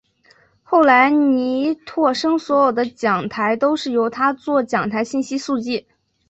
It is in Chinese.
后来倪柝声所有的讲台都是由他作讲台信息速记。